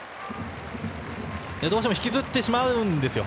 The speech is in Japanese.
どうしても引きずってしまうんですよ。